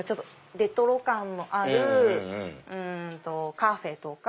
レトロ感のあるカフェとか。